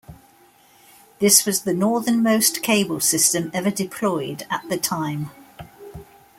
This was the northern most cable system ever deployed at the time.